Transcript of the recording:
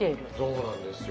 そうなんですよ。